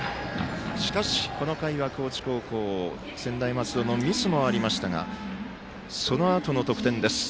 しかし、この回は高知高校専大松戸のミスもありましたがそのあとの得点です。